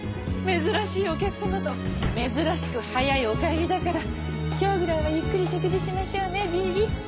珍しいお客様と珍しく早いお帰りだから今日ぐらいはゆっくり食事しましょうねビビ。